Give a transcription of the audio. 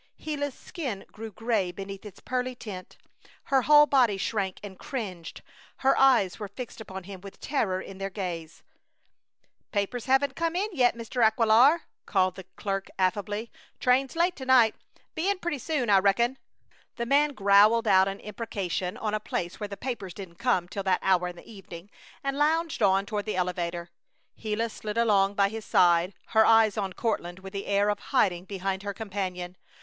Gila's skin grew gray beneath its pearly tint, her whole body shrank and cringed, her eyes were fixed upon him with terror in their gaze. "Papers haven't come in yet, Mr. Aquilar," called the clerk, affably. "Train's late to night. Be in pretty soon, I reckon!" The man growled out an imprecation on a place where the papers didn't come till that hour in the evening, and lounged on toward the elevator. Gila slid along by his side, her eyes on Courtland, with the air of hiding behind her companion.